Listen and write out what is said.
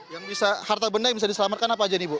yang bisa harta benda yang bisa diselamatkan apa aja nih bu